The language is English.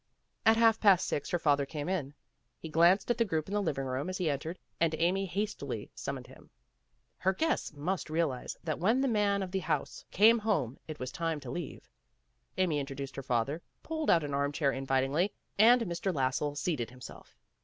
At half past six her father came in. He glanced at the group in the living room as he entered, and Amy hastily summoned him. Her guests must realize that when the man of the house came home it was time to leave. Amy introduced her father, pulled out an arm chair invitingly, and Mr. Lassell seated himself.